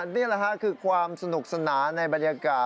นี่แหละค่ะคือความสนุกสนานในบรรยากาศ